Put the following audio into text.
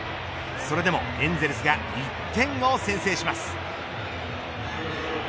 それでもエンゼルスが１点を先制します。